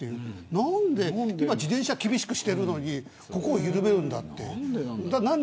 何で自転車を厳しくしてるのにここを緩めるんだって。